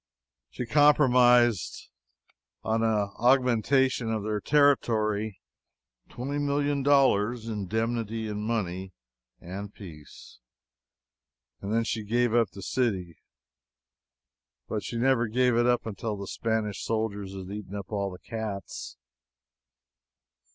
She compromised on an augmentation of her territory, twenty million dollars' indemnity in money, and peace. And then she gave up the city. But she never gave it up until the Spanish soldiers had eaten up all the cats.